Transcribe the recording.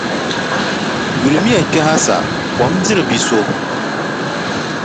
Yulimiya kpɛha sa, kom diri biʼ so.